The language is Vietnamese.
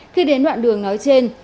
khi đến đoạn đường nói trên